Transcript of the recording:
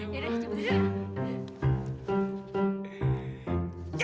yaudah cepet aja